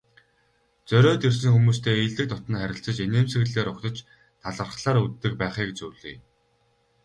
Зориод ирсэн хүмүүстэй эелдэг дотно харилцаж, инээмсэглэлээр угтаж, талархлаар үддэг байхыг зөвлөе.